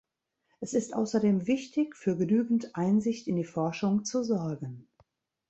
Es ist außerdem wichtig, für genügend Einsicht in die Forschung zu sorgen.